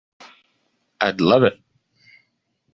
I'd love it.